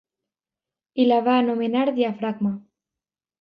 I la va anomenar diafragma.